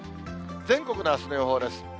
全国のあすの予報です。